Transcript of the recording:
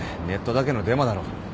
ネットだけのデマだろ。